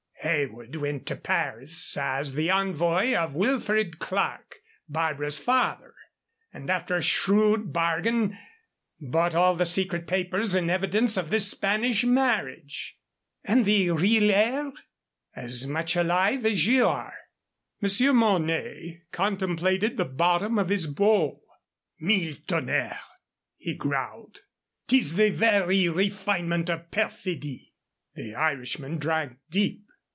Heywood went to Paris as the envoy of Wilfred Clerke Barbara's father and, after a shrewd bargain, bought all the secret papers in evidence of this Spanish marriage." "And the real heir?" "As much alive as you are." Monsieur Mornay contemplated the bottom of his bowl. "Mille tonnerres!" he growled. "'Tis the very refinement of perfidy." The Irishman drank deep.